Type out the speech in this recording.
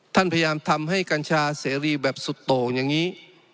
ท่านพยายามทำให้กัญชาเสรีแบบสุดโต่งอย่างนี้